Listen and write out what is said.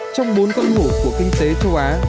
trong bốn cận hổ của kinh tế châu á